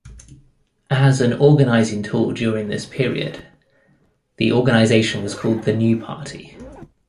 As an organizing tool during this period, the organization was called the New Party.